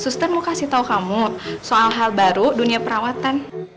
suster mau kasih tahu kamu soal hal baru dunia perawatan